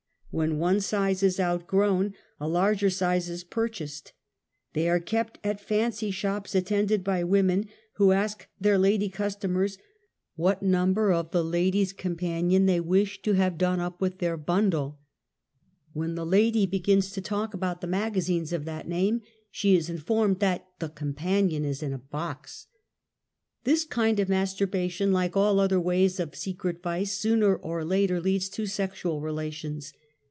When one size is outgrown^ a larger size is purchased. They are kept at fancy shops attended by w^omen, who ask their lady custo . mers ''wha^ number of the Ladies' Companion they wish to have done up with their bundle." When the 116 UNMASKED. i lady begins to talk about the magazines of that name, ^she is informed that "the 'Companion' is in a box." / This kind of masturbation, like all other ways of [ secret vice, sooner or later leads to sexual relations.